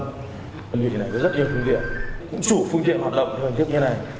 đơn vị này có rất nhiều phương tiện cũng chủ phương tiện hoạt động như thế này